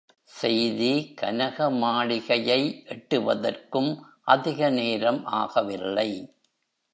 செய்தி கனக மாளிகையை எட்டுவதற்கும் அதிகநேரம் ஆகவில்லை.